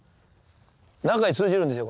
中へ通じるんですよ